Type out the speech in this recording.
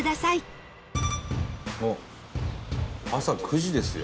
伊達：朝９時ですよ。